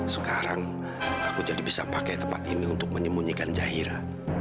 sekarang aku jadi bisa pakai tempat ini untuk menyembunyikan jahira